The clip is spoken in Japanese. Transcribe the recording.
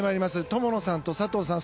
友野さんと佐藤さん。